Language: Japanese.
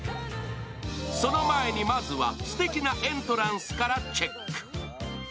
その前に、まずは、すてきなエントランスからチェック。